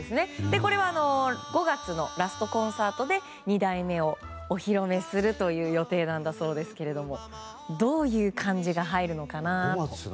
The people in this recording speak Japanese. これは５月のラストコンサートで２代目をお披露目するという予定なんだそうですけどもどういう漢字が入るのかなって。